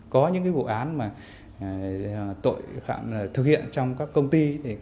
có những vụ án thực hiện trong các công ty